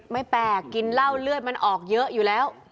ไม่แปลกกินเหล้าเลือดมันออกเยอะอยู่แล้ว